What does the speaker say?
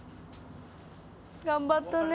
頑張ったね